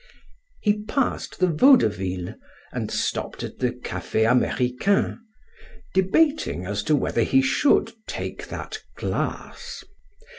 He passed the Vaudeville and stopped at the Cafe Americain, debating as to whether he should take that "glass."